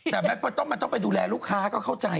แต่มันต้องไปดูแลลูกค้าก็เข้าใจ